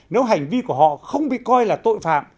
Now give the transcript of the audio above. nếu hành vi của họ không bị coi là tội phạm